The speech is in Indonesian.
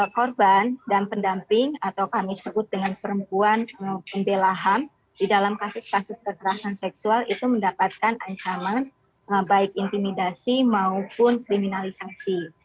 korban dan pendamping atau kami sebut dengan perempuan pembelahan di dalam kasus kasus kekerasan seksual itu mendapatkan ancaman baik intimidasi maupun kriminalisasi